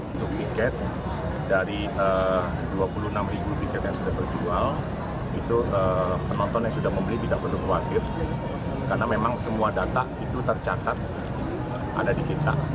untuk tiket dari dua puluh enam ribu tiket yang sudah berjual itu penonton yang sudah membeli tidak perlu fluatif karena memang semua data itu tercatat ada di kita